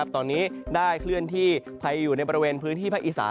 ตอนนี้ได้เคลื่อนที่ไปอยู่ในบริเวณพื้นที่ภาคอีสาน